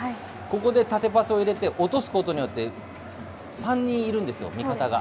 ここで縦パスを入れて、落とすことによって、３人いるんですよ、味方が。